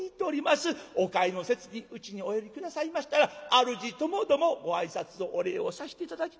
お帰りの節にうちにお寄り下さいましたら主ともどもご挨拶をお礼をさせて頂きます。